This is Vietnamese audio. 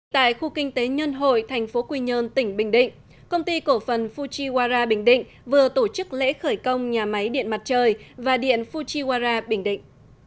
tại khu kinh tế nhân hội thành phố quy nhơn tỉnh bình định công ty cổ phần fuchiwara bình định vừa tổ chức lễ khởi công nhà máy điện mặt trời và điện fuchiwara bình định